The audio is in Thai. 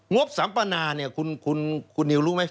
งบสัมมนาคุณนิวรู้ไหม